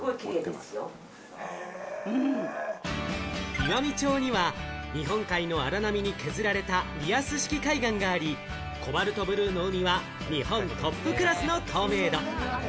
岩美町には日本海の荒波に削られたリアス式海岸があり、コバルトブルーの海は日本トップクラスの透明度。